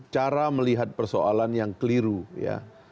cara melihat persoalan yang keliru ya